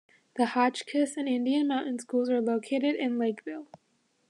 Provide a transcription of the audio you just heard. The Hotchkiss and Indian Mountain Schools are located in Lakeville.